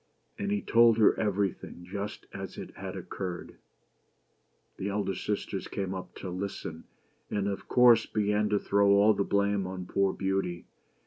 And he told her everything just as it had occurred. The elder sisters came up to listen ; and of course began to throw all the blame on poor Beauty.